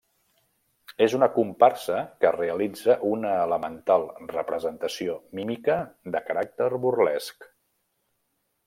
És una comparsa que realitza una elemental representació mímica de caràcter burlesc.